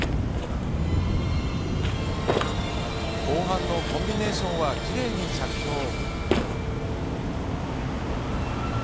後半のコンビネーションは奇麗に着氷。